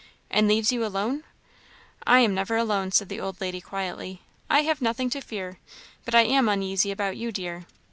"And leaves you alone!" "I am never alone," said the old lady, quietly; "I have nothing to fear; but I am uneasy about you, dear.